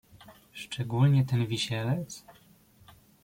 "Szczególnie ten Wisielec?"